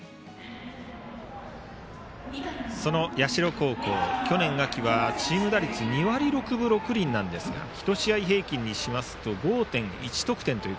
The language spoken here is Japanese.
その社高校、去年の秋はチーム打率２割６分６厘ですが１試合平均にしますと５．１得点。